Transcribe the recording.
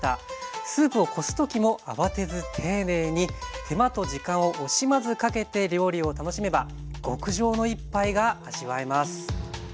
スープをこす時も慌てず丁寧に手間と時間を惜しまずかけて料理を楽しめば極上の一杯が味わえます。